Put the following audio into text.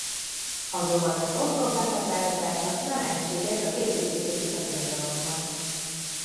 Azonban az oszlop meghatározása nem egységes az építészeti szakirodalomban.